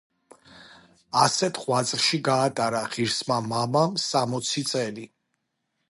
ასეთ ღვაწლში გაატარა ღირსმა მამამ სამოცი წელი.